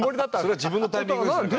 それは自分のタイミングですよね。